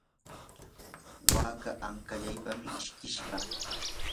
waka ankallaypam ishkishqa.